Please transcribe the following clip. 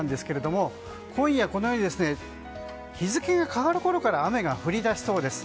今夜このように日付が変わるころから雨が降り出しそうです。